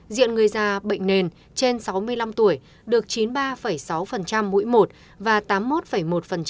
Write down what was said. diện người già bệnh nền trên sáu mươi năm tuổi được chín mươi ba sáu mũi một và tám mươi một một